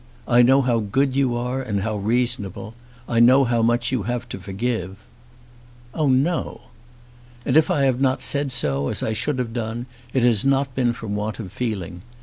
"I know how good you are and how reasonable. I know how much you have to forgive." "Oh, no." "And, if I have not said so as I should have done, it has not been from want of feeling.